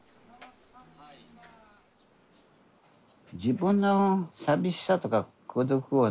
自分の寂しさとか孤独をね